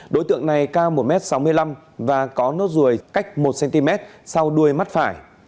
đối tượng này cao một m sáu mươi năm và có nốt ruồi cách một cm sau đuôi mắt phải